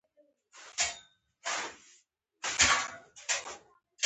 زما ظاهري څهره باندي مه تیروځه